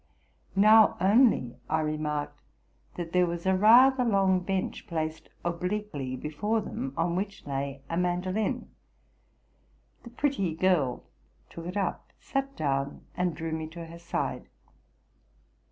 Now only I remarked that there was a rather long bench placed obliquely before them, on which lay a mandolin. The pretty girl took it up, sat down, and drew me to her side.